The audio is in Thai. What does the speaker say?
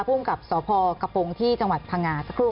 ภูมิกับสพกระโปรงที่จังหวัดพังงาสักครู่